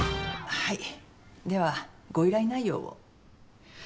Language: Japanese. はいではご依頼内容を。